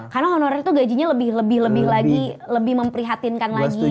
karena honorer tuh gajinya lebih lebih lagi lebih memprihatinkan lagi gitu loh